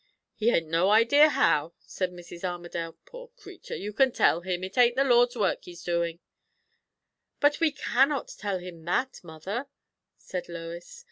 "He hain't no idea how," said Mrs. Armadale, "Poor creatur'! You can tell him, it ain't the Lord's work he's doin'." "But we cannot tell him that, mother," said Lois.